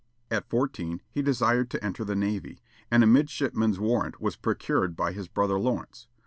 At fourteen, he desired to enter the navy, and a midshipman's warrant was procured by his brother Lawrence.